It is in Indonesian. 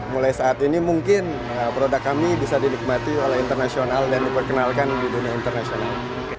mulai saat ini mungkin produk kami bisa dinikmati oleh internasional dan diperkenalkan di dunia internasional